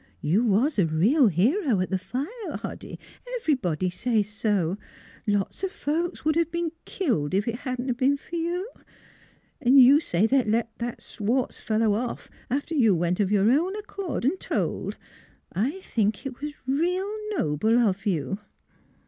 You was a real hero at the fire, Hoddy. Everybody says so. Lots of folks would have been killed if it hadn't 'a' been for you. An' you say they let that Schwartz fellow off, after you went of your own accord and told. I think it was real noble of you."